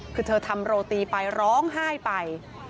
คือเธอทำโรตีไปร้องไห้ไป